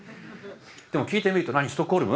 でも聞いてみると「なにストックホルム？